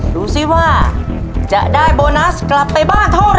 ดูสิว่าจะได้โบนัสกลับไปบ้านเท่าไ